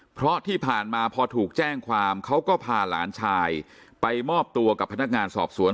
เพราะที่ผ่านมาพอถูกแจ้งความเขาก็พาหลานชายไปมอบตัวกับพนักงานสอบสวน